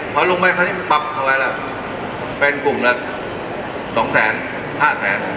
พอลงไปพอนี้ปับเข้าไว้แล้วเป็นกลุ่มละสองแสนห้าแสน